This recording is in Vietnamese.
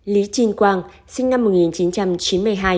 lý trinh quang sinh năm một nghìn chín trăm chín mươi hai